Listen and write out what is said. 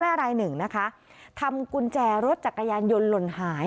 รายหนึ่งนะคะทำกุญแจรถจักรยานยนต์หล่นหาย